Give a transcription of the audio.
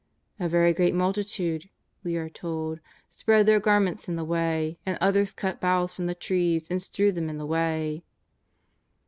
"A very great multitude,'^ we are told, " spread their garments in the way, and others cut boughs from the trees and strewed them in the way.''